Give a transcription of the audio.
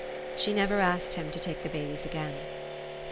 She never asked him to take the babies again.